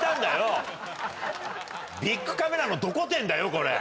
ビックカメラのどこ店だよこれ。